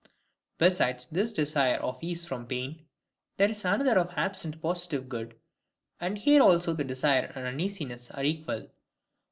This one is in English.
Besides this desire of ease from pain, there is another of absent positive good; and here also the desire and uneasiness are equal.